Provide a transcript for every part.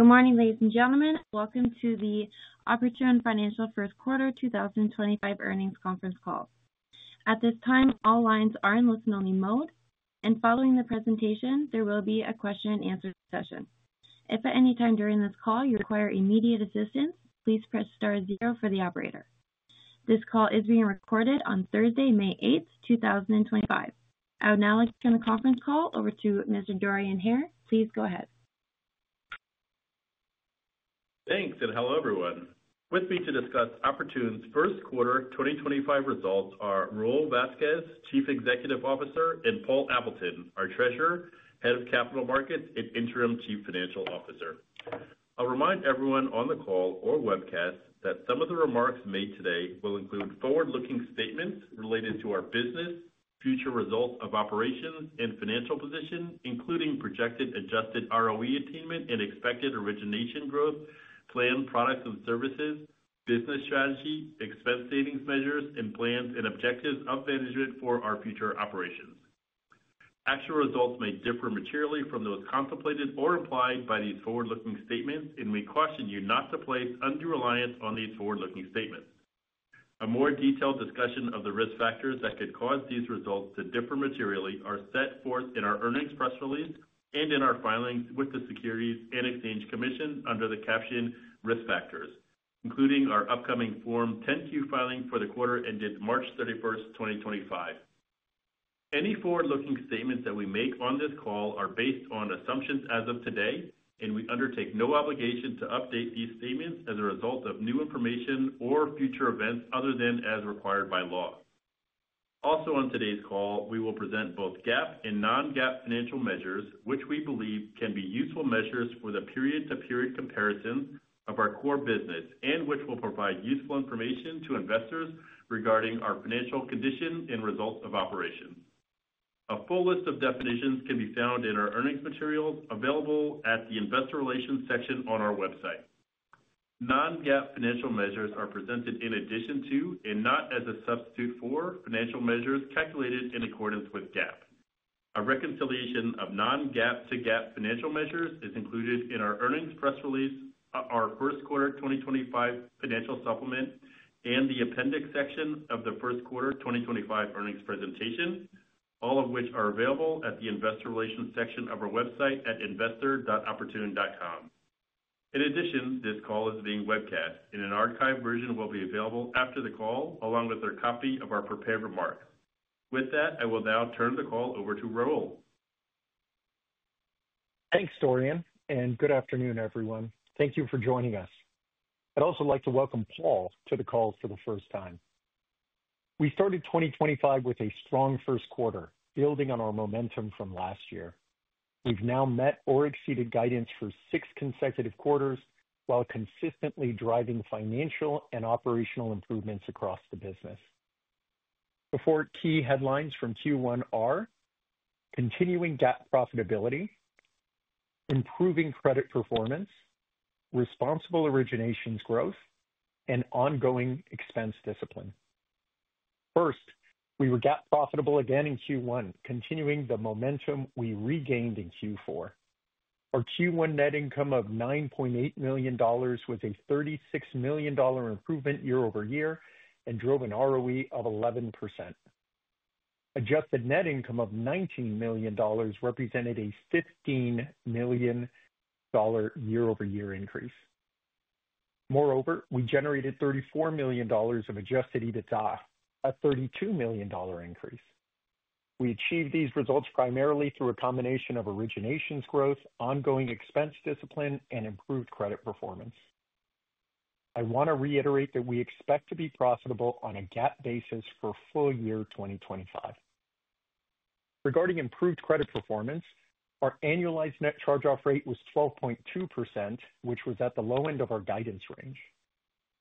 Good morning, ladies and gentlemen. Welcome to the Oportun Financial First Quarter 2025 Earnings Conference Call. At this time, all lines are in listen-only mode, and following the presentation, there will be a question and answer session. If at any time during this call you require immediate assistance, please press star zero for the operator. This call is being recorded on Thursday, May 8th, 2025. I will now turn the conference call over to Mr. Dorian Hare. Please go ahead. Thanks, and hello everyone. With me to discuss Oportun first quarter 2025 results are Raul Vazquez, Chief Executive Officer, and Paul Appleton, our Treasurer, Head of Capital Markets, and Interim Chief Financial Officer. I'll remind everyone on the call or webcast that some of the remarks made today will include forward-looking statements related to our business, future results of operations, and financial position, including projected adjusted ROE attainment and expected origination growth, planned products and services, business strategy, expense savings measures, and plans and objectives of management for our future operations. Actual results may differ materially from those contemplated or implied by these forward-looking statements, and we caution you not to place undue reliance on these forward-looking statements. A more detailed discussion of the risk factors that could cause these results to differ materially is set forth in our earnings press release and in our filings with the Securities and Exchange Commission under the captioned risk factors, including our upcoming Form 10-Q filing for the quarter ended March 31, 2025. Any forward-looking statements that we make on this call are based on assumptions as of today, and we undertake no obligation to update these statements as a result of new information or future events other than as required by law. Also, on today's call, we will present both GAAP and non-GAAP financial measures, which we believe can be useful measures for the period-to-period comparisons of our core business and which will provide useful information to investors regarding our financial condition and results of operations. A full list of definitions can be found in our earnings materials available at the investor relations section on our website. Non-GAAP financial measures are presented in addition to, and not as a substitute for, financial measures calculated in accordance with GAAP. A reconciliation of non-GAAP to GAAP financial measures is included in our earnings press release, our first quarter 2025 financial supplement, and the appendix section of the first quarter 2025 earnings presentation, all of which are available at the investor relations section of our website at investor.oportun.com. In addition, this call is being webcast, and an archived version will be available after the call along with a copy of our prepared remarks. With that, I will now turn the call over to Raul. Thanks, Dorian, and good afternoon, everyone. Thank you for joining us. I'd also like to welcome Paul to the call for the first time. We started 2025 with a strong first quarter, building on our momentum from last year. We've now met or exceeded guidance for six consecutive quarters while consistently driving financial and operational improvements across the business. The four key headlines from Q1 are continuing GAAP profitability, improving credit performance, responsible originations growth, and ongoing expense discipline. First, we were GAAP profitable again in Q1, continuing the momentum we regained in Q4. Our Q1 net income of $9.8 million was a $36 million improvement year-over-year and drove an ROE of 11%. Adjusted net income of $19 million represented a $15 million year-over-year increase. Moreover, we generated $34 million of adjusted EBITDA, a $32 million increase. We achieved these results primarily through a combination of originations growth, ongoing expense discipline, and improved credit performance. I want to reiterate that we expect to be profitable on a GAAP basis for full year 2025. Regarding improved credit performance, our annualized net charge-off rate was 12.2%, which was at the low end of our guidance range.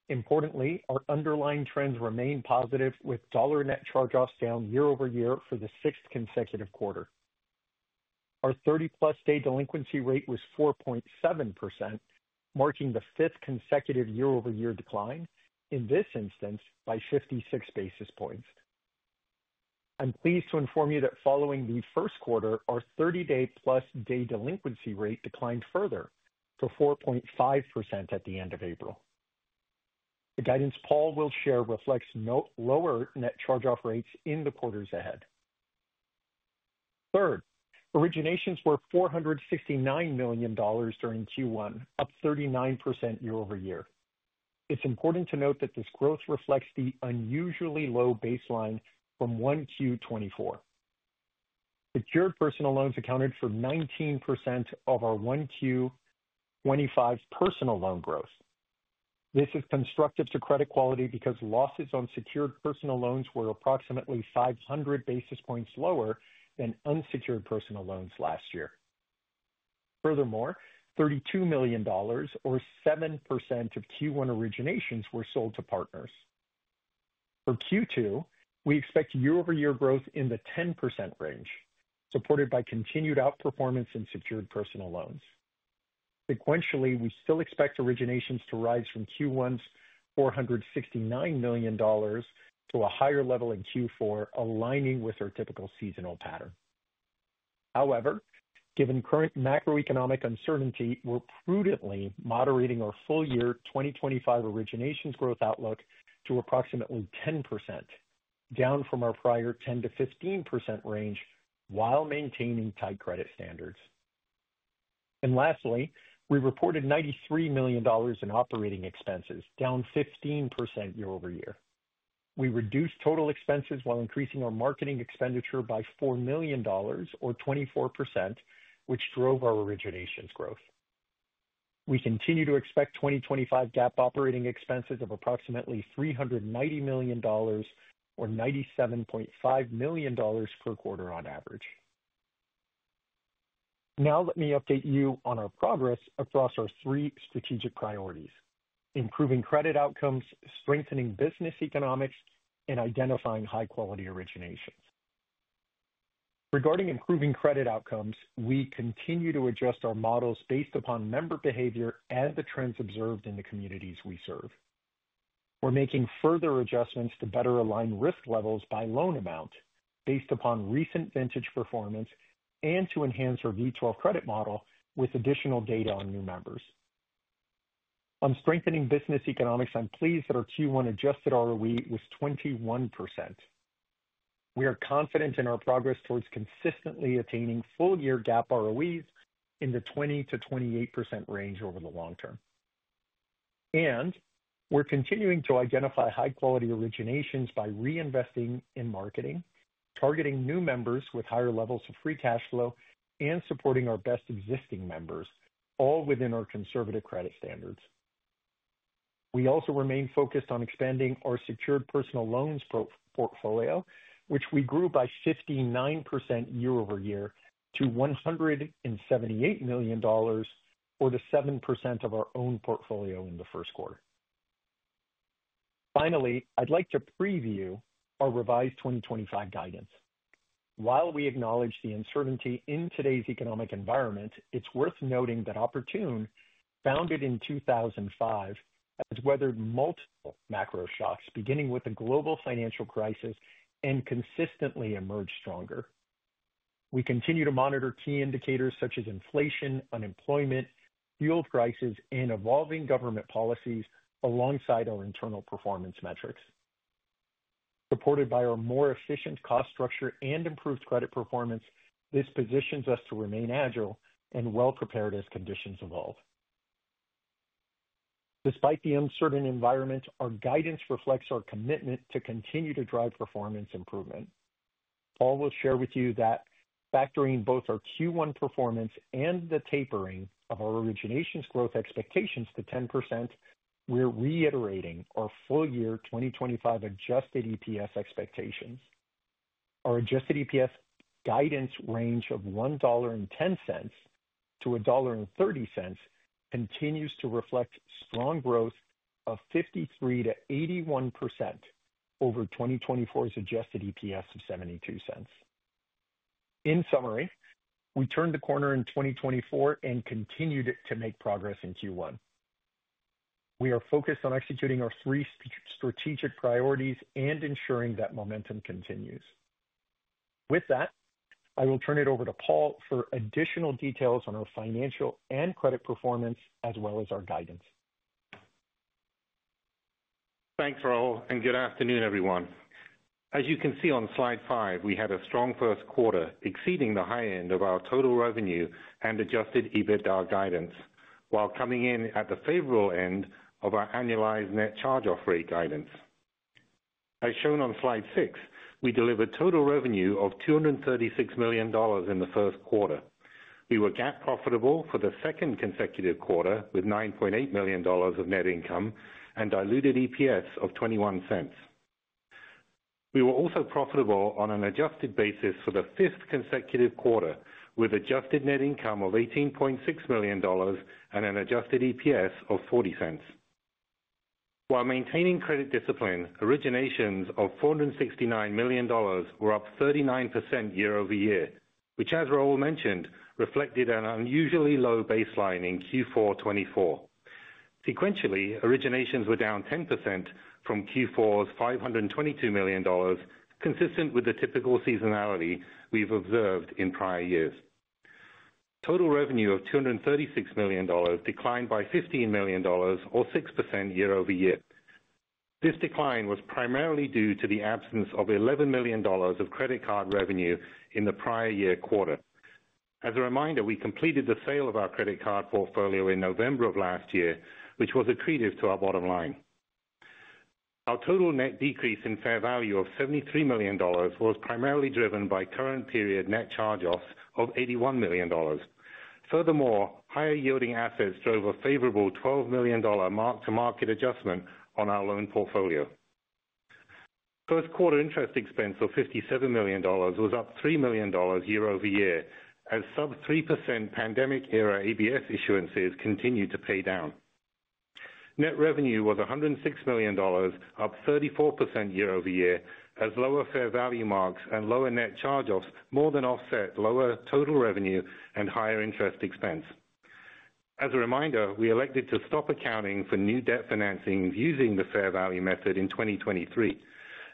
Importantly, our underlying trends remain positive, with dollar net charge-offs down year-over-year for the sixth consecutive quarter. Our 30-plus day delinquency rate was 4.7%, marking the fifth consecutive year-over-year decline, in this instance by 56 basis points. I'm pleased to inform you that following the first quarter, our 30-plus day delinquency rate declined further to 4.5% at the end of April. The guidance Paul will share reflects lower net charge-off rates in the quarters ahead. Third, originations were $469 million during Q1, up 39% year-over-year. It's important to note that this growth reflects the unusually low baseline from one Q 2024. Secured personal loans accounted for 19% over one Q 2025 personal loan growth. This is constructive to credit quality because losses on secured personal loans were approximately 500 basis points lower than unsecured personal loans last year. Furthermore, $32 million, or 7% of Q1 originations, were sold to partners. For Q2, we expect year-over-year growth in the 10% range, supported by continued outperformance in secured personal loans. Sequentially, we still expect originations to rise from Q1's $469 million to a higher level in Q4, aligning with our typical seasonal pattern. However, given current macroeconomic uncertainty, we're prudently moderating our full year 2025 originations growth outlook to approximately 10%, down from our prior 10%-15% range, while maintaining tight credit standards. Lastly, we reported $93 million in operating expenses, down 15% year-over-year. We reduced total expenses while increasing our marketing expenditure by $4 million, or 24%, which drove our originations growth. We continue to expect 2025 GAAP operating expenses of approximately $390 million, or $97.5 million per quarter on average. Now, let me update you on our progress across our three strategic priorities: improving credit outcomes, strengthening business economics, and identifying high-quality originations. Regarding improving credit outcomes, we continue to adjust our models based upon member behavior and the trends observed in the communities we serve. We're making further adjustments to better align risk levels by loan amount based upon recent vintage performance and to enhance our V12 credit model with additional data on new members. On strengthening business economics, I'm pleased that our Q1 adjusted ROE was 21%. We are confident in our progress towards consistently attaining full-year GAAP ROEs in the 20%-28% range over the long term. We are continuing to identify high-quality originations by reinvesting in marketing, targeting new members with higher levels of free cash flow, and supporting our best existing members, all within our conservative credit standards. We also remain focused on expanding our secured personal loans portfolio, which we grew by 59% year-over-year to $178 million, or 7% of our own portfolio in the first quarter. Finally, I would like to preview our revised 2025 guidance. While we acknowledge the uncertainty in today's economic environment, it is worth noting that Oportun, founded in 2005, has weathered multiple macro shocks, beginning with the global financial crisis and consistently emerged stronger. We continue to monitor key indicators such as inflation, unemployment, fuel prices, and evolving government policies alongside our internal performance metrics. Supported by our more efficient cost structure and improved credit performance, this positions us to remain agile and well-prepared as conditions evolve. Despite the uncertain environment, our guidance reflects our commitment to continue to drive performance improvement. Paul will share with you that, factoring both our Q1 performance and the tapering of our originations growth expectations to 10%, we're reiterating our full year 2025 adjusted EPS expectations. Our adjusted EPS guidance range of $1.10 to $1.30 continues to reflect strong growth of 53%-81% over 2024's adjusted EPS of $0.72. In summary, we turned the corner in 2024 and continued to make progress in Q1. We are focused on executing our three strategic priorities and ensuring that momentum continues. With that, I will turn it over to Paul for additional details on our financial and credit performance, as well as our guidance. Thanks, Raul, and good afternoon, everyone. As you can see on slide five, we had a strong first quarter, exceeding the high end of our total revenue and adjusted EBITDA guidance, while coming in at the favorable end of our annualized net charge-off rate guidance. As shown on slide six, we delivered total revenue of $236 million in the first quarter. We were GAAP profitable for the second consecutive quarter, with $9.8 million of net income and diluted EPS of $0.21. We were also profitable on an adjusted basis for the fifth consecutive quarter, with adjusted net income of $18.6 million and an adjusted EPS of $0.40. While maintaining credit discipline, originations of $469 million were up 39% year-over-year, which, as Raul mentioned, reflected an unusually low baseline in Q4 2024. Sequentially, originations were down 10% from Q4's $522 million, consistent with the typical seasonality we've observed in prior years. Total revenue of $236 million declined by $15 million, or 6% year-over-year. This decline was primarily due to the absence of $11 million of credit card revenue in the prior year quarter. As a reminder, we completed the sale of our credit card portfolio in November of last year, which was a treatise to our bottom line. Our total net decrease in fair value of $73 million was primarily driven by current period net charge-offs of $81 million. Furthermore, higher yielding assets drove a favorable $12 million mark-to-market adjustment on our loan portfolio. First quarter interest expense of $57 million was up $3 million year-over-year, as sub-3% pandemic-era ABS issuances continued to pay down. Net revenue was $106 million, up 34% year-over-year, as lower fair value marks and lower net charge-offs more than offset lower total revenue and higher interest expense. As a reminder, we elected to stop accounting for new debt financing using the fair value method in 2023.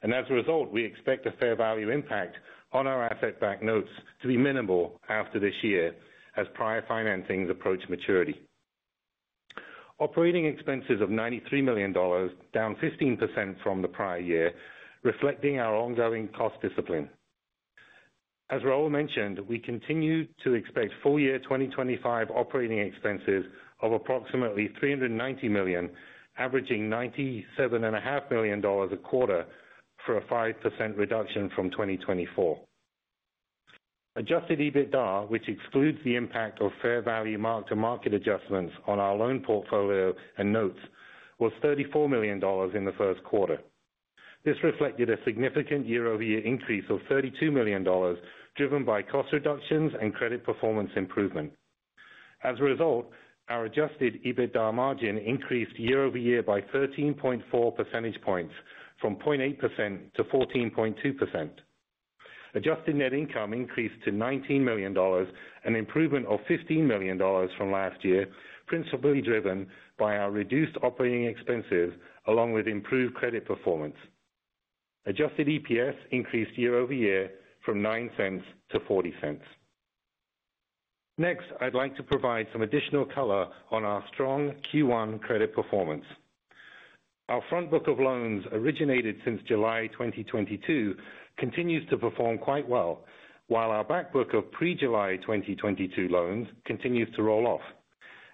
As a result, we expect the fair value impact on our asset-backed notes to be minimal after this year, as prior financings approach maturity. Operating expenses of $93 million, down 15% from the prior year, reflecting our ongoing cost discipline. As Raul mentioned, we continue to expect full year 2025 operating expenses of approximately $390 million, averaging $97.5 million a quarter for a 5% reduction from 2024. Adjusted EBITDA, which excludes the impact of fair value mark-to-market adjustments on our loan portfolio and notes, was $34 million in the first quarter. This reflected a significant year-over-year increase of $32 million, driven by cost reductions and credit performance improvement. As a result, our adjusted EBITDA margin increased year-over-year by 13.4 percentage points, from 0.8% to 14.2%. Adjusted net income increased to $19 million, an improvement of $15 million from last year, principally driven by our reduced operating expenses along with improved credit performance. Adjusted EPS increased year-over-year from $0.09 to $0.40. Next, I'd like to provide some additional color on our strong Q1 credit performance. Our front book of loans originated since July 2022 continues to perform quite well, while our back book of pre-July 2022 loans continues to roll off.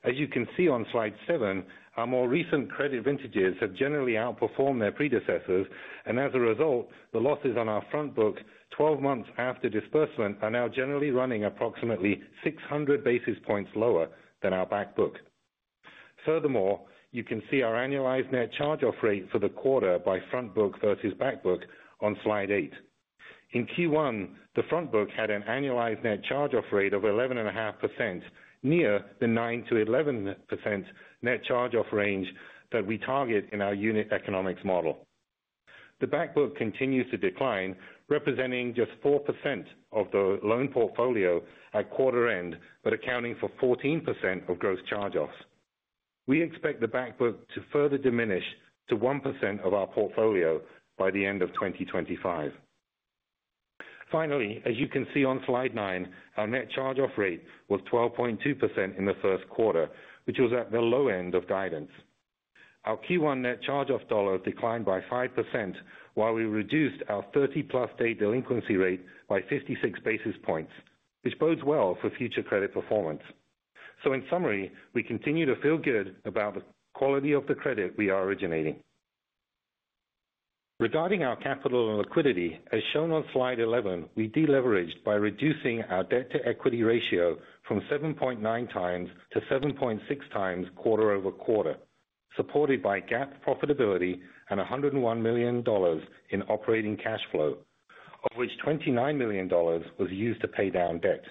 As you can see on slide seven, our more recent credit vintages have generally outperformed their predecessors, and as a result, the losses on our front book 12 months after disbursement are now generally running approximately 600 basis points lower than our back book. Furthermore, you can see our annualized net charge-off rate for the quarter by front book versus back book on slide eight. In Q1, the front book had an annualized net charge-off rate of 11.5%, near the 9% to 11% net charge-off range that we target in our unit economics model. The back book continues to decline, representing just 4% of the loan portfolio at quarter end, but accounting for 14% of gross charge-offs. We expect the back book to further diminish to 1% of our portfolio by the end of 2025. Finally, as you can see on slide nine, our net charge-off rate was 12.2% in the first quarter, which was at the low end of guidance. Our Q1 net charge-off dollars declined by 5%, while we reduced our 30-plus day delinquency rate by 56 basis points, which bodes well for future credit performance. In summary, we continue to feel good about the quality of the credit we are originating. Regarding our capital and liquidity, as shown on slide 11, we deleveraged by reducing our debt-to-equity ratio from 7.9 times to 7.6 times quarter-over-quarter, supported by GAAP profitability and $101 million in operating cash flow, of which $29 million was used to pay down debt.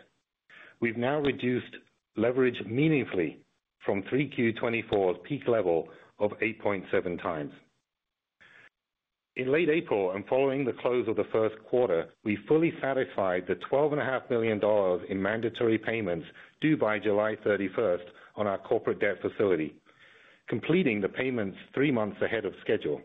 We've now reduced leverage meaningfully from three Q 2024's peak level of 8.7 times. In late April and following the close of the first quarter, we fully satisfied the $12.5 million in mandatory payments due by July 31 on our corporate debt facility, completing the payments three months ahead of schedule.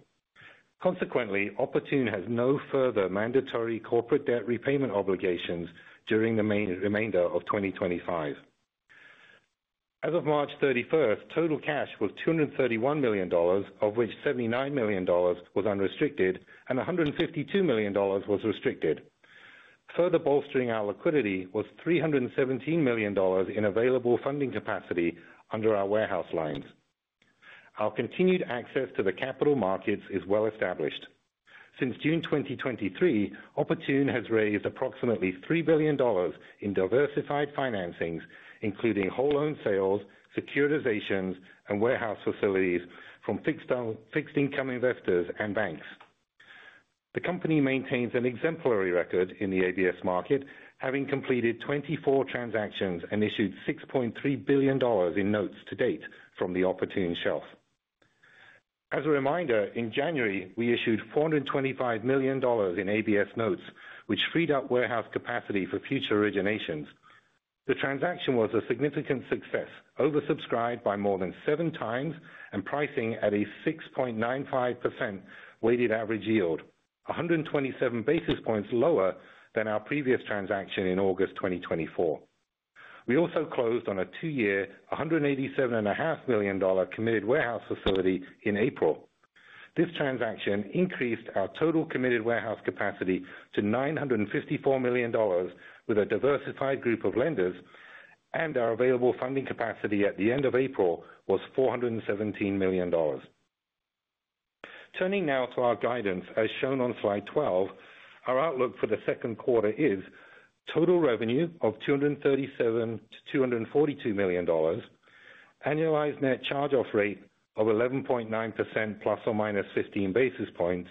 Consequently, Oportun has no further mandatory corporate debt repayment obligations during the remainder of 2025. As of March 31, total cash was $231 million, of which $79 million was unrestricted and $152 million was restricted. Further bolstering our liquidity was $317 million in available funding capacity under our warehouse lines. Our continued access to the capital markets is well established. Since June 2023, Oportun has raised approximately $3 billion in diversified financings, including whole loan sales, securitizations, and warehouse facilities from fixed income investors and banks. The company maintains an exemplary record in the ABS market, having completed 24 transactions and issued $6.3 billion in notes to date from the Oportun shelf. As a reminder, in January, we issued $425 million in ABS notes, which freed up warehouse capacity for future originations. The transaction was a significant success, oversubscribed by more than seven times and pricing at a 6.95% weighted average yield, 127 basis points lower than our previous transaction in August 2024. We also closed on a two-year $187.5 million committed warehouse facility in April. This transaction increased our total committed warehouse capacity to $954 million with a diversified group of lenders, and our available funding capacity at the end of April was $417 million. Turning now to our guidance, as shown on slide 12, our outlook for the second quarter is total revenue of $237 to $242 million, annualized net charge-off rate of 11.9% plus or minus 15 basis points,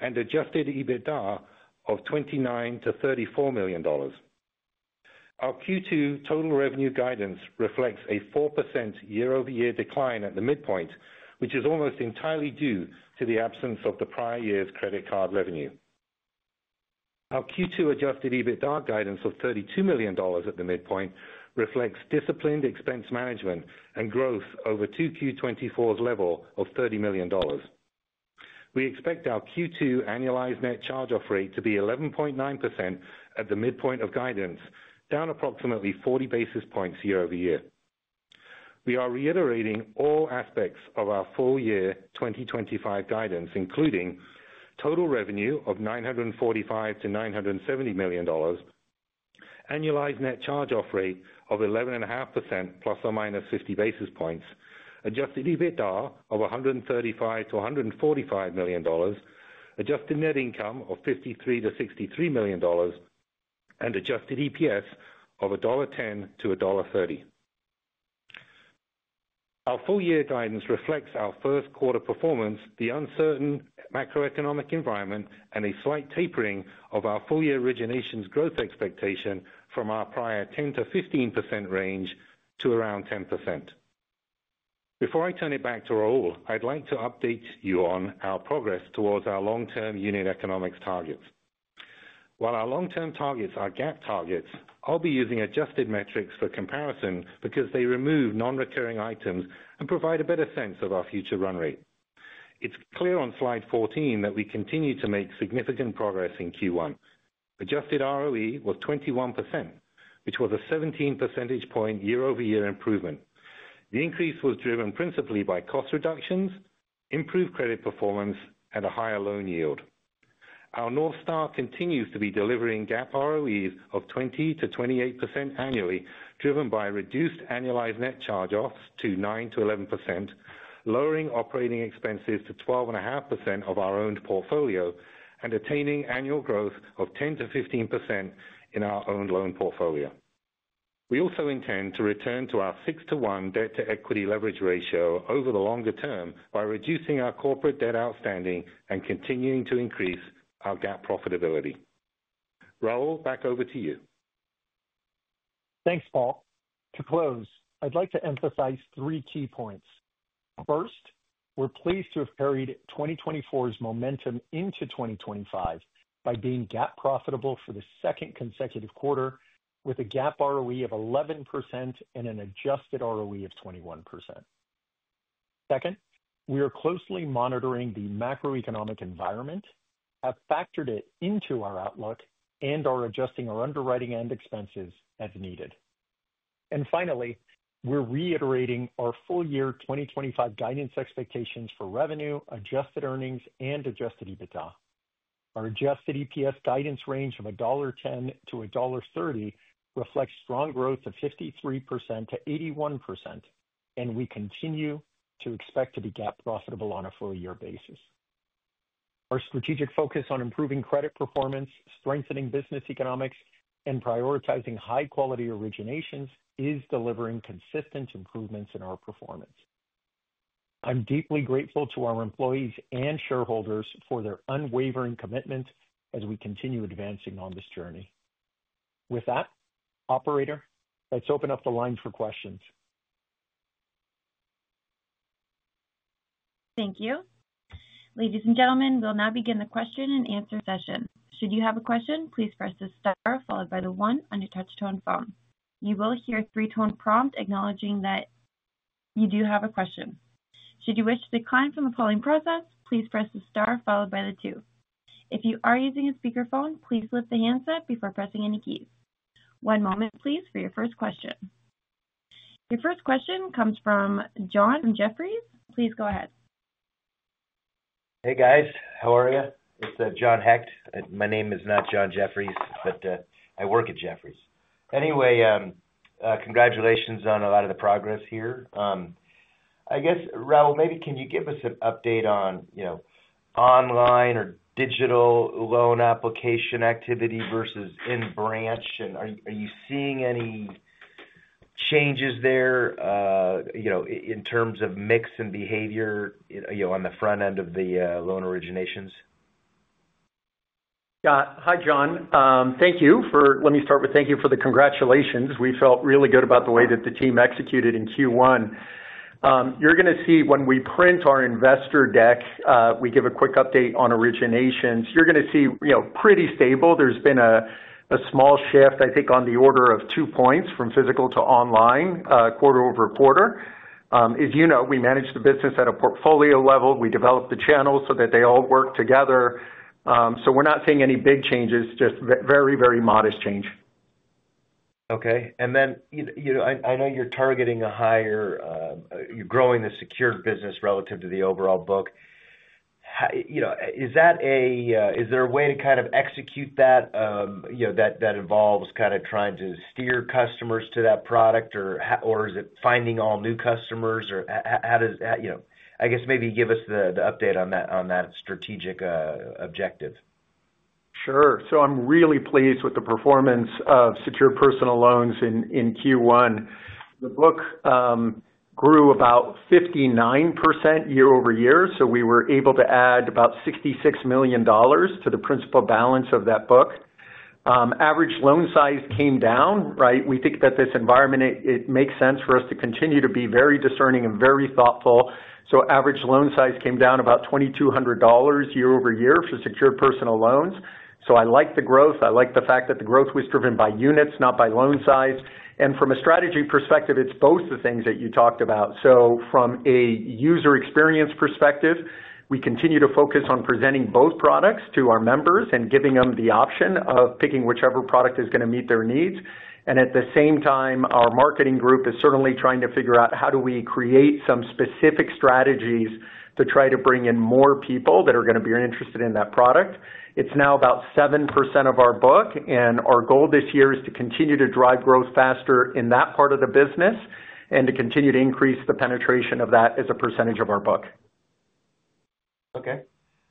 and adjusted EBITDA of $29 to $34 million. Our Q2 total revenue guidance reflects a 4% year-over-year decline at the midpoint, which is almost entirely due to the absence of the prior year's credit card revenue. Our Q2 adjusted EBITDA guidance of $32 million at the midpoint reflects disciplined expense management and growth over Q2 2024's level of $30 million. We expect our Q2 annualized net charge-off rate to be 11.9% at the midpoint of guidance, down approximately 40 basis points year-over-year. We are reiterating all aspects of our full year 2025 guidance, including total revenue of $945 to $970 million, annualized net charge-off rate of 11.5% plus or minus 50 basis points, adjusted EBITDA of $135-$145 million, adjusted net income of $53-$63 million, and adjusted EPS of $1.10-$1.30. Our full year guidance reflects our first quarter performance, the uncertain macroeconomic environment, and a slight tapering of our full year originations growth expectation from our prior 10%-15% range to around 10%. Before I turn it back to Raul, I'd like to update you on our progress towards our long-term unit economics targets. While our long-term targets are GAAP targets, I'll be using adjusted metrics for comparison because they remove non-recurring items and provide a better sense of our future run rate. It's clear on slide 14 that we continue to make significant progress in Q1. Adjusted ROE was 21%, which was a 17 percentage point year-over-year improvement. The increase was driven principally by cost reductions, improved credit performance, and a higher loan yield. Our North Star continues to be delivering GAAP ROEs of 20%-28% annually, driven by reduced annualized net charge-offs to 9%-11%, lowering operating expenses to 12.5% of our owned portfolio, and attaining annual growth of 10%-15% in our owned loan portfolio. We also intend to return to our 6:1 debt-to-equity leverage ratio over the longer term by reducing our corporate debt outstanding and continuing to increase our GAAP profitability. Raul, back over to you. Thanks, Paul. To close, I'd like to emphasize three key points. First, we're pleased to have carried 2024's momentum into 2025 by being GAAP profitable for the second consecutive quarter, with a GAAP ROE of 11% and an adjusted ROE of 21%. Second, we are closely monitoring the macroeconomic environment, have factored it into our outlook, and are adjusting our underwriting and expenses as needed. Finally, we're reiterating our full year 2025 guidance expectations for revenue, adjusted earnings, and adjusted EBITDA. Our adjusted EPS guidance range from $1.10-$1.30 reflects strong growth of 53%-81%, and we continue to expect to be GAAP profitable on a full year basis. Our strategic focus on improving credit performance, strengthening business economics, and prioritizing high-quality originations is delivering consistent improvements in our performance. I'm deeply grateful to our employees and shareholders for their unwavering commitment as we continue advancing on this journey. With that, Operator, let's open up the line for questions. Thank you. Ladies and gentlemen, we'll now begin the question and answer session. Should you have a question, please press the star followed by the one on your touch-tone phone. You will hear a three-tone prompt acknowledging that you do have a question. Should you wish to decline from the polling process, please press the star followed by the two. If you are using a speakerphone, please lift the handset before pressing any keys. One moment, please, for your first question. Your first question comes from John from Jefferies. Please go ahead. Hey, guys. How are you? It's John Hecht. My name is not John Jefferies, but I work at Jefferies. Anyway, congratulations on a lot of the progress here. I guess, Raul, maybe can you give us an update on online or digital loan application activity versus in branch? And are you seeing any changes there in terms of mix and behavior on the front end of the loan originations? Hi, John. Thank you for—let me start with thank you for the congratulations. We felt really good about the way that the team executed in Q1. You're going to see when we print our investor deck, we give a quick update on originations. You're going to see pretty stable. There's been a small shift, I think, on the order of two points from physical to online quarter-over-quarter. As you know, we manage the business at a portfolio level. We develop the channels so that they all work together. We're not seeing any big changes, just very, very modest change. Okay. I know you're targeting a higher—you're growing the secured business relative to the overall book. Is that a—is there a way to kind of execute that that involves kind of trying to steer customers to that product, or is it finding all new customers? Or how does—I guess maybe give us the update on that strategic objective. Sure. I'm really pleased with the performance of secured personal loans in Q1. The book grew about 59% year-over-year, so we were able to add about $66 million to the principal balance of that book. Average loan size came down, right? We think that in this environment, it makes sense for us to continue to be very discerning and very thoughtful. Average loan size came down about $2,200 year-over-year for secured personal loans. I like the growth. I like the fact that the growth was driven by units, not by loan size. From a strategy perspective, it is both the things that you talked about. From a user experience perspective, we continue to focus on presenting both products to our members and giving them the option of picking whichever product is going to meet their needs. At the same time, our marketing group is certainly trying to figure out how do we create some specific strategies to try to bring in more people that are going to be interested in that product. It is now about 7% of our book, and our goal this year is to continue to drive growth faster in that part of the business and to continue to increase the penetration of that as a percentage of our book. Okay.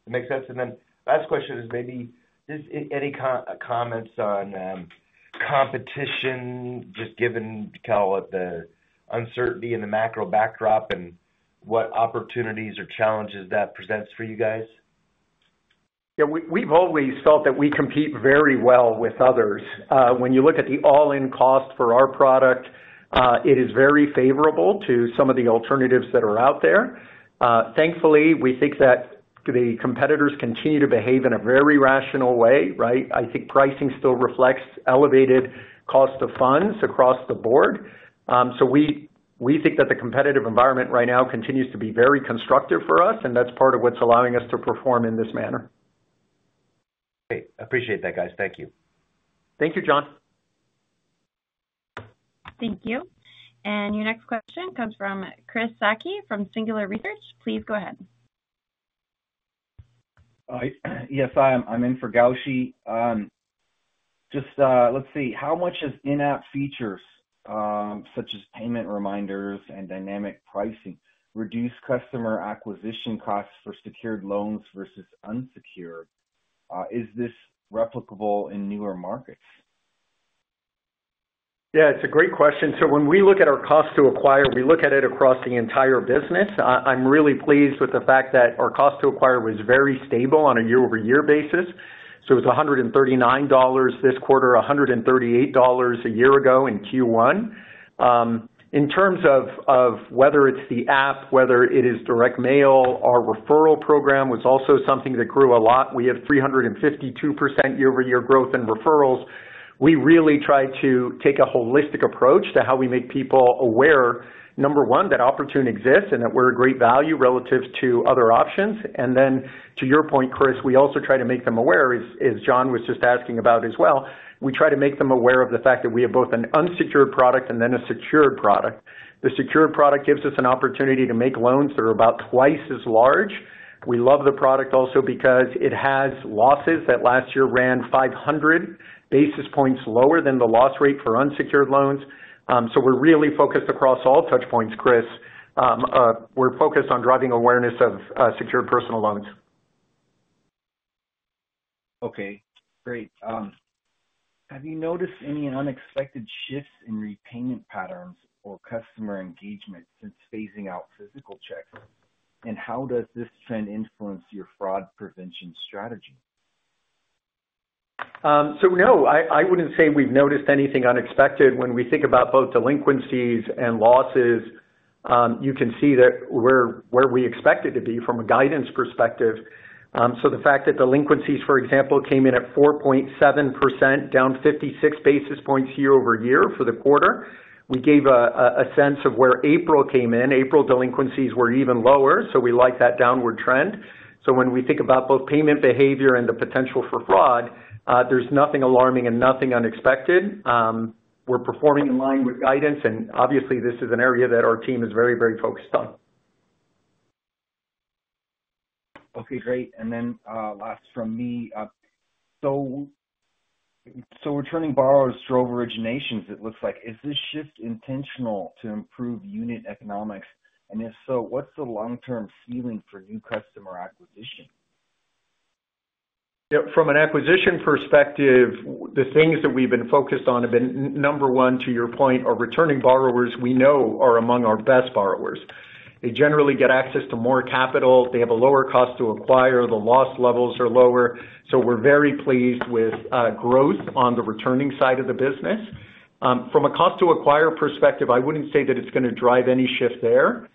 That makes sense. The last question is maybe just any comments on competition, just given kind of the uncertainty in the macro backdrop and what opportunities or challenges that presents for you guys? Yeah. We have always felt that we compete very well with others. When you look at the all-in cost for our product, it is very favorable to some of the alternatives that are out there. Thankfully, we think that the competitors continue to behave in a very rational way, right? I think pricing still reflects elevated cost of funds across the board. We think that the competitive environment right now continues to be very constructive for us, and that's part of what's allowing us to perform in this manner. Great. Appreciate that, guys. Thank you. Thank you, John. Thank you. Your next question comes from Chris Sakai from Singular Research. Please go ahead. Yes, I'm in for Gaushi. Just let's see. How much has in-app features such as payment reminders and dynamic pricing reduced customer acquisition costs for secured loans versus unsecured? Is this replicable in newer markets? Yeah. It's a great question. When we look at our cost to acquire, we look at it across the entire business. I'm really pleased with the fact that our cost to acquire was very stable on a year-over-year basis. It was $139 this quarter, $138 a year ago in Q1. In terms of whether it's the app, whether it is direct mail, our referral program was also something that grew a lot. We have 352% year-over-year growth in referrals. We really try to take a holistic approach to how we make people aware, number one, that Oportun exists and that we're a great value relative to other options. To your point, Chris, we also try to make them aware, as John was just asking about as well. We try to make them aware of the fact that we have both an unsecured product and then a secured product. The secured product gives us an opportunity to make loans that are about twice as large. We love the product also because it has losses that last year ran 500 basis points lower than the loss rate for unsecured loans. We are really focused across all touch points, Chris. We are focused on driving awareness of secured personal loans. Okay. Great. Have you noticed any unexpected shifts in repayment patterns or customer engagement since phasing out physical checks? How does this trend influence your fraud prevention strategy? No, I would not say we have noticed anything unexpected. When we think about both delinquencies and losses, you can see that we are where we expected to be from a guidance perspective. The fact that delinquencies, for example, came in at 4.7%, down 56 basis points year-over-year for the quarter, we gave a sense of where April came in. April delinquencies were even lower, so we like that downward trend. When we think about both payment behavior and the potential for fraud, there is nothing alarming and nothing unexpected. We are performing in line with guidance, and obviously, this is an area that our team is very, very focused on. Great. Last from me. Returning borrowers drove originations, it looks like. Is this shift intentional to improve unit economics? If so, what is the long-term ceiling for new customer acquisition? From an acquisition perspective, the things that we have been focused on have been, number one, to your point, our returning borrowers, we know, are among our best borrowers. They generally get access to more capital. They have a lower cost to acquire. The loss levels are lower. We are very pleased with growth on the returning side of the business. From a cost to acquire perspective, I would not say that it is going to drive any shift there.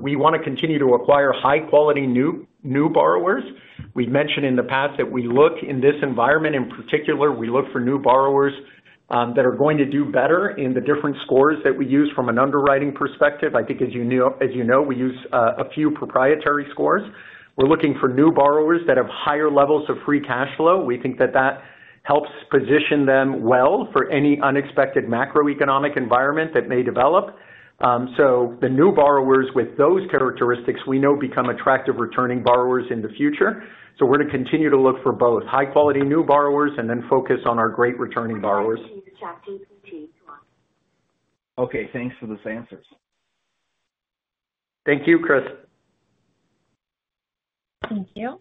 We want to continue to acquire high-quality new borrowers. We've mentioned in the past that we look in this environment in particular, we look for new borrowers that are going to do better in the different scores that we use from an underwriting perspective. I think, as you know, we use a few proprietary scores. We're looking for new borrowers that have higher levels of free cash flow. We think that that helps position them well for any unexpected macroeconomic environment that may develop. The new borrowers with those characteristics, we know, become attractive returning borrowers in the future. We are going to continue to look for both high-quality new borrowers and then focus on our great returning borrowers. Okay. Thanks for those answers. Thank you, Chris. Thank you.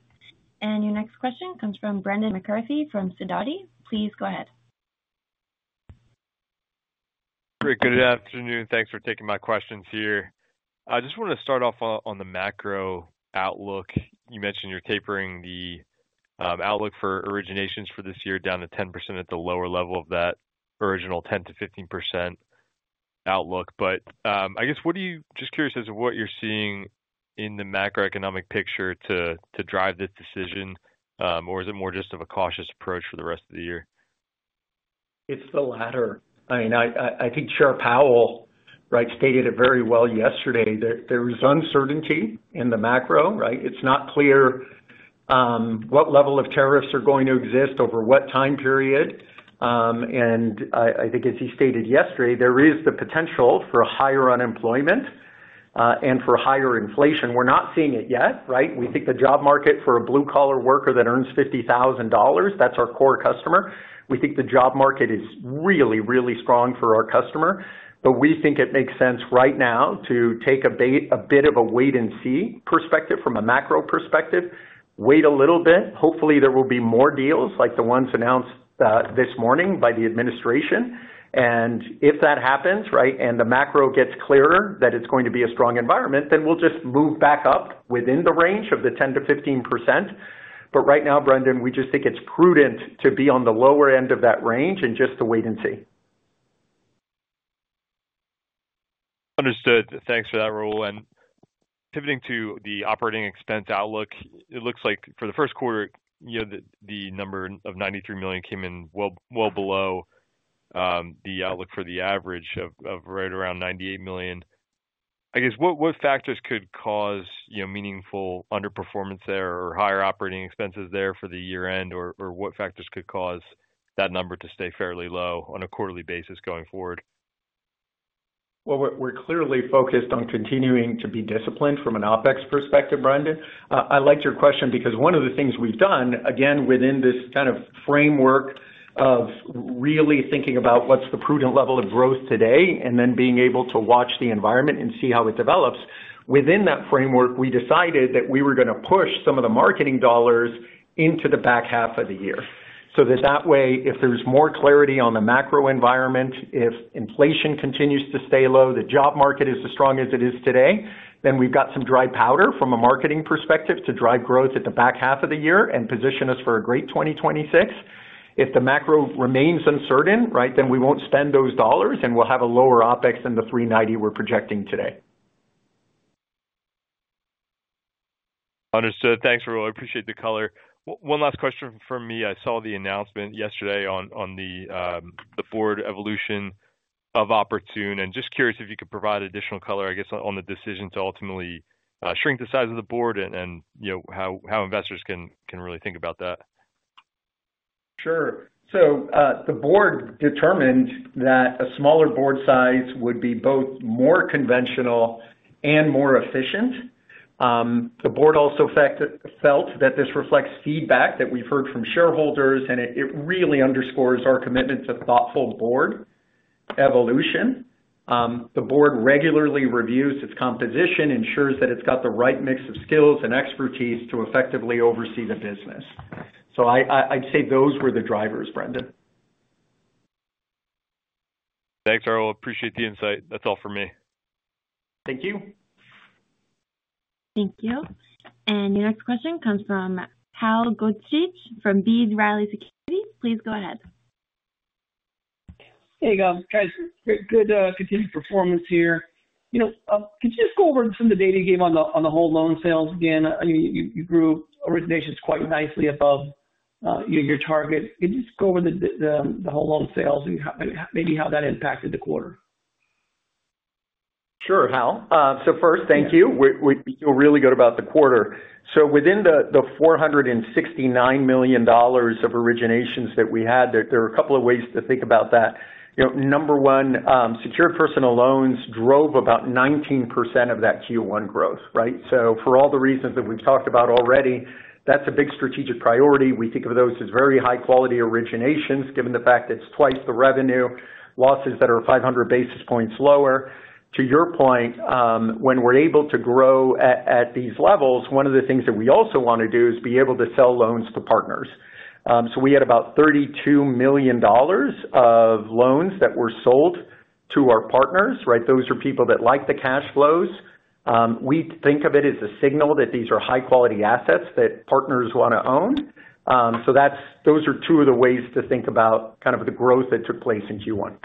Your next question comes from Brendan McCarthy from Sidoti. Please go ahead. Great. Good afternoon. Thanks for taking my questions here. I just want to start off on the macro outlook. You mentioned you're tapering the outlook for originations for this year down to 10% at the lower level of that original 10-15% outlook. I guess, what are you just curious as to what you're seeing in the macroeconomic picture to drive this decision, or is it more just of a cautious approach for the rest of the year? It's the latter. I mean, I think chair power stated it very well yesterday that there is uncertainty in the macro, right? It's not clear what level of tariffs are going to exist over what time period. I think, as he stated yesterday, there is the potential for higher unemployment and for higher inflation. We're not seeing it yet, right? We think the job market for a blue-collar worker that earns $50,000, that's our core customer. We think the job market is really, really strong for our customer. We think it makes sense right now to take a bit of a wait-and-see perspective from a macro perspective, wait a little bit. Hopefully, there will be more deals like the ones announced this morning by the administration. If that happens, right, and the macro gets clearer that it's going to be a strong environment, then we'll just move back up within the range of the 10-15%. Right now, Brendan, we just think it's prudent to be on the lower end of that range and just to wait and see. Understood. Thanks for that, Raul. Pivoting to the operating expense outlook, it looks like for the first quarter, the number of $93 million came in well below the outlook for the average of right around $98 million. I guess, what factors could cause meaningful underperformance there or higher operating expenses there for the year-end, or what factors could cause that number to stay fairly low on a quarterly basis going forward? We are clearly focused on continuing to be disciplined from an OpEx perspective, Brendan. I liked your question because one of the things we have done, again, within this kind of framework of really thinking about what is the prudent level of growth today and then being able to watch the environment and see how it develops. Within that framework, we decided that we were going to push some of the marketing dollars into the back half of the year so that that way, if there's more clarity on the macro environment, if inflation continues to stay low, the job market is as strong as it is today, then we've got some dry powder from a marketing perspective to drive growth at the back half of the year and position us for a great 2026. If the macro remains uncertain, right, then we won't spend those dollars, and we'll have a lower OpEx than the $390 we're projecting today. Understood. Thanks, Raul. I appreciate the color. One last question from me. I saw the announcement yesterday on the board evolution of Oportun and just curious if you could provide additional color, I guess, on the decision to ultimately shrink the size of the board and how investors can really think about that. Sure. So the board determined that a smaller board size would be both more conventional and more efficient. The board also felt that this reflects feedback that we've heard from shareholders, and it really underscores our commitment to thoughtful board evolution. The board regularly reviews its composition, ensures that it's got the right mix of skills and expertise to effectively oversee the business. So I'd say those were the drivers, Brendan. Thanks, Raul. Appreciate the insight. That's all for me. Thank you. Thank you. Your next question comes from Hal Goetsch from B. Riley Securities. Please go ahead. Hey, guys. Good continued performance here. Could you just go over some of the data you gave on the whole loan sales again? You grew originations quite nicely above your target. Could you just go over the whole loan sales and maybe how that impacted the quarter? Sure, Hal. So first, thank you. You were really good about the quarter. Within the $469 million of originations that we had, there are a couple of ways to think about that. Number one, secured personal loans drove about 19% of that Q1 growth, right? For all the reasons that we've talked about already, that's a big strategic priority. We think of those as very high-quality originations given the fact that it's twice the revenue, losses that are 500 basis points lower. To your point, when we're able to grow at these levels, one of the things that we also want to do is be able to sell loans to partners. We had about $32 million of loans that were sold to our partners, right? Those are people that like the cash flows. We think of it as a signal that these are high-quality assets that partners want to own. Those are two of the ways to think about kind of the growth that took place in Q1.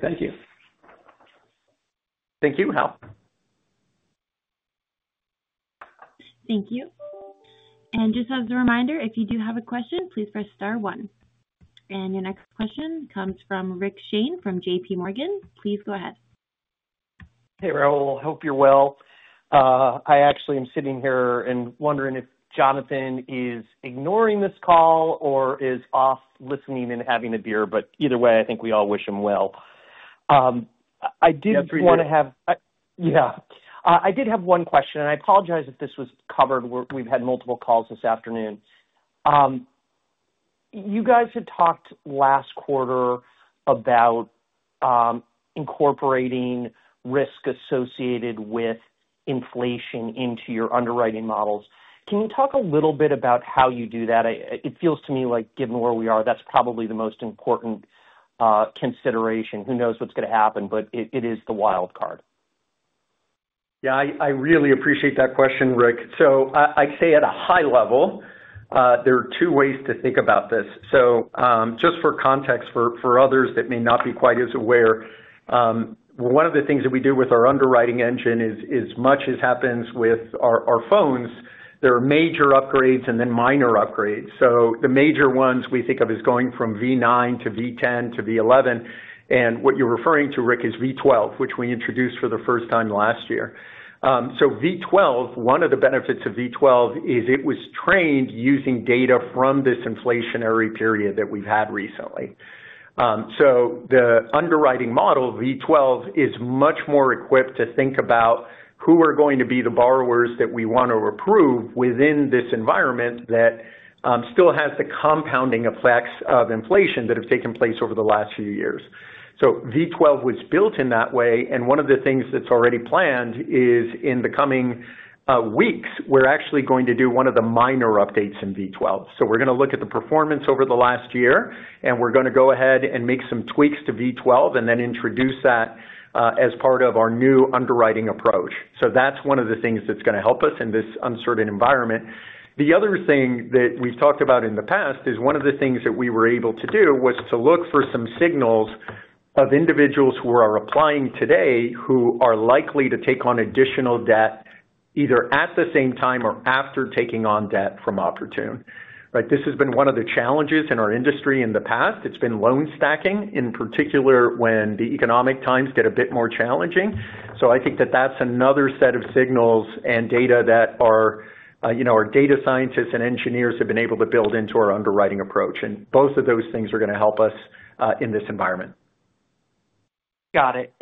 Thank you. Thank you, Hal. Thank you. And just as a reminder, if you do have a question, please press star one. Your next question comes from Rick Shane from JPMorgan. Please go ahead. Hey, Raul. I hope you're well. I actually am sitting here and wondering if Jonathan is ignoring this call or is off listening and having a beer. Either way, I think we all wish him well. I did want to have—yeah. I did have one question, and I apologize if this was covered. We've had multiple calls this afternoon. You guys had talked last quarter about incorporating risk associated with inflation into your underwriting models. Can you talk a little bit about how you do that? It feels to me like, given where we are, that's probably the most important consideration. Who knows what's going to happen, but it is the wild card. Yeah. I really appreciate that question, Rick. I would say at a high level, there are two ways to think about this. Just for context for others that may not be quite as aware, one of the things that we do with our underwriting engine is, as much as happens with our phones, there are major upgrades and then minor upgrades. The major ones we think of as going from V9 to V10 to V11. What you are referring to, Rick, is V12, which we introduced for the first time last year. V12, one of the benefits of V12 is it was trained using data from this inflationary period that we have had recently. The underwriting model, V12, is much more equipped to think about who are going to be the borrowers that we want to approve within this environment that still has the compounding effects of inflation that have taken place over the last few years. V12 was built in that way. One of the things that's already planned is in the coming weeks, we're actually going to do one of the minor updates in V12. We're going to look at the performance over the last year, and we're going to go ahead and make some tweaks to V12 and then introduce that as part of our new underwriting approach. That's one of the things that's going to help us in this uncertain environment. The other thing that we've talked about in the past is one of the things that we were able to do was to look for some signals of individuals who are applying today who are likely to take on additional debt either at the same time or after taking on debt from Oportun. This has been one of the challenges in our industry in the past. It's been loan stacking, in particular when the economic times get a bit more challenging. I think that that's another set of signals and data that our data scientists and engineers have been able to build into our underwriting approach. Both of those things are going to help us in this environment. Got it.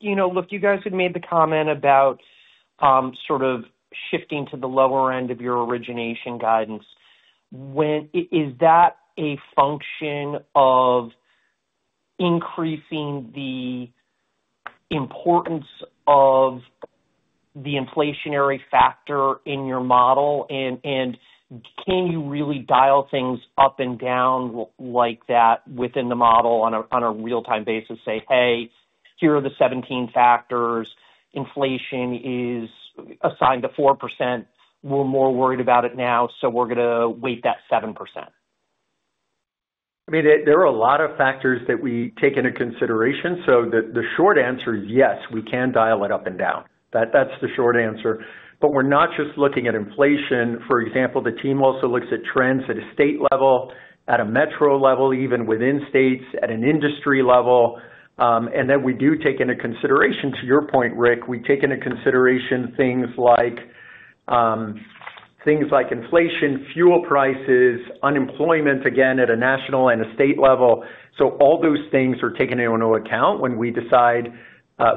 Look, you guys had made the comment about sort of shifting to the lower end of your origination guidance. Is that a function of increasing the importance of the inflationary factor in your model? Can you really dial things up and down like that within the model on a real-time basis, say, "Hey, here are the 17 factors. Inflation is assigned to 4%. We're more worried about it now, so we're going to weight that 7%"? I mean, there are a lot of factors that we take into consideration. Yes, we can dial it up and down. That is the short answer. We are not just looking at inflation. For example, the team also looks at trends at a state level, at a metro level, even within states, at an industry level. We do take into consideration, to your point, Rick, things like inflation, fuel prices, unemployment, again, at a national and a state level. All those things are taken into account when we decide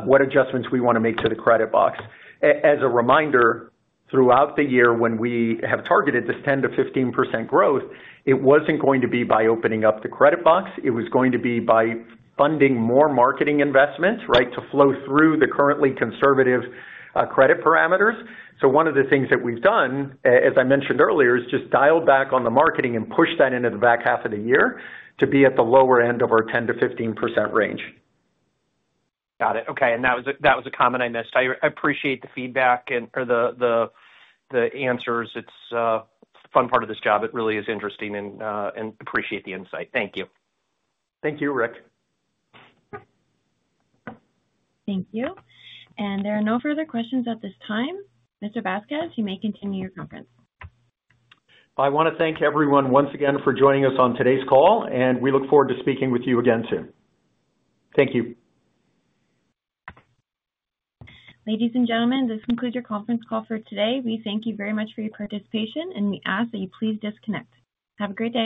what adjustments we want to make to the credit box. As a reminder, throughout the year, when we have targeted this 10-15% growth, it was not going to be by opening up the credit box. It was going to be by funding more marketing investments, right, to flow through the currently conservative credit parameters. One of the things that we've done, as I mentioned earlier, is just dialed back on the marketing and pushed that into the back half of the year to be at the lower end of our 10%-15% range. Got it. Okay. That was a comment I missed. I appreciate the feedback or the answers. It's a fun part of this job. It really is interesting and appreciate the insight. Thank you. Thank you, Rick. Thank you. There are no further questions at this time. Mr. Vazquez, you may continue your conference. I want to thank everyone once again for joining us on today's call, and we look forward to speaking with you again soon. Thank you. Ladies and gentlemen, this concludes your conference call for today. We thank you very much for your participation, and we ask that you please disconnect. Have a great day.